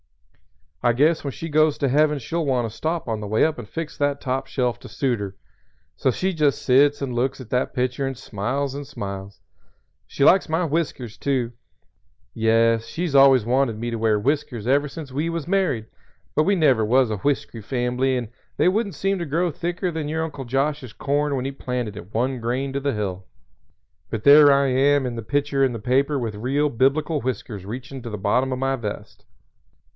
I guess when she goes to Heaven she'll want to stop on the way up and fix that top shelf to suit her. So she just sits and looks at that picture and smiles and smiles. She likes my whiskers, too. Yes, she's always wanted me to wear whiskers ever since we was married, but we never was a whiskery fambly and they wouldn't seem to grow thicker than your Uncle Josh's corn when he planted it one grain to the hill. But there I am in the picture in the paper with real biblical whiskers reachin' to the bottom o' my vest."